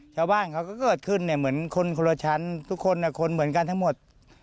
ชาวบ้านเขาก็เกิดขึ้นเนี่ยเหมือนคนคนละชั้นทุกคนคนเหมือนกันทั้งหมด